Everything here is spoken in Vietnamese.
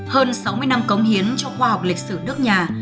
hơn sáu mươi năm cống hiến cho khoa học lịch sử nước nhà